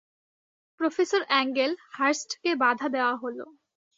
Professor Angel হার্স্টকে বাধা দেয়া হল।